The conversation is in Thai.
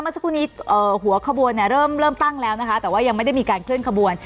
สักครู่นี้หัวขบวนเนี่ยเริ่มตั้งแล้วนะคะแต่ว่ายังไม่ได้มีการเคลื่อนขบวน